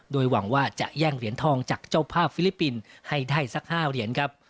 โดยหวังว่าจะแย่งเหรียญทองจากเจ้าภาพฟิลิปปินส์ให้ได้สัก๕เหรียญครับ